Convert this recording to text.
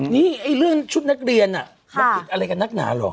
นี่เรื่องชุดนักเรียนมันผิดอะไรกับนักหนาเหรอ